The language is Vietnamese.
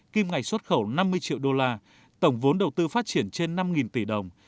kim ngạch xuất khẩu năm mươi triệu đô la tổng vốn đầu tư phát triển trên năm tỷ đồng